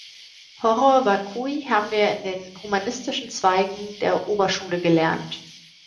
Horror vacui haben wir in den humanistischen Zweigen der Oberschule gelernt.